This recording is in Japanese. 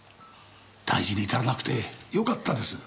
大事に至らなくて良かったです。